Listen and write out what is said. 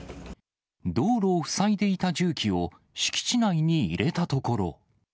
道路を塞いでいた重機を敷地内に入れたところ。